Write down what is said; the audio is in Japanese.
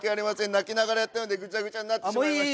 泣きながらやったのでぐちゃぐちゃになってしまいました。